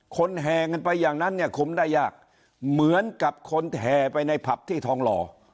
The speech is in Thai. แห่กันไปอย่างนั้นเนี่ยคุมได้ยากเหมือนกับคนแห่ไปในผับที่ทองหล่อ